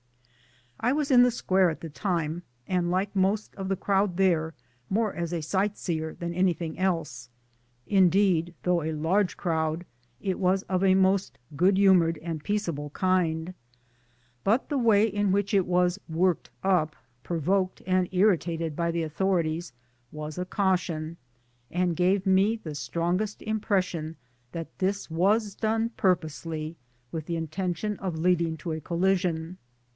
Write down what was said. I was in the Square at the time, and like most of the crowd there more as a sightseer than any thing; else. Indeed, though a large crowd it was of a most gpod hurnored and peaceable kind ; but the way in which it was ' worked up,* provoked and irritated by the authorities, was a caution ; and gave me the strongest impression that this was done purposely, with the intention of leading to a collision.